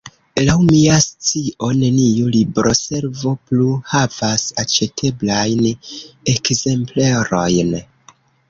Laŭ mia scio neniu libroservo plu havas aĉeteblajn ekzemplerojn.